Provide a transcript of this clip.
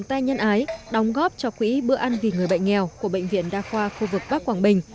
các tổ chức nhà hảo tâm tiếp tục mở rộng vòng quân đồng góp cho quỹ bữa ăn vì người bệnh nghèo của bệnh viện đa khoa khu vực bắc quảng bình